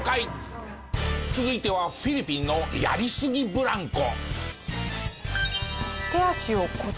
続いてはフィリピンのやりすぎブランコ。